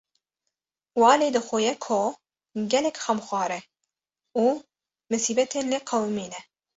Walê dixuye ko gelek xemxwar e û misîbetin lê qewimîne.